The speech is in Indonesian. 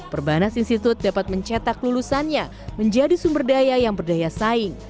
perbanas institut dapat mencetak lulusannya menjadi sumber daya yang berdaya saing